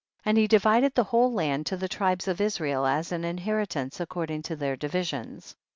15. And he divided the whole land to the tribes of Israel as an inherit ance, according to their divisions.